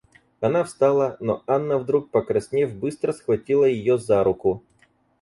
Она встала, но Анна, вдруг покраснев, быстро схватила ее за руку.